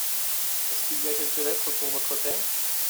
Est-ce qu'il a quelques lettres pour votre père ?